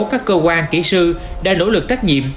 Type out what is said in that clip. các cơ quan kỹ sư đã nỗ lực trách nhiệm